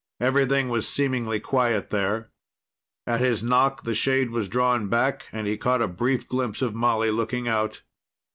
Everything was seemingly quiet there. At his knock, the shade was drawn back, and he caught a brief glimpse of Molly looking out.